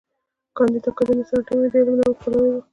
کانديد اکاډميسن عطايي د علمي نوښت پلوي و.